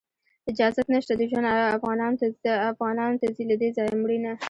اجازت نشته د ژوند، افغانانو ته ځي له دې ځایه مړینه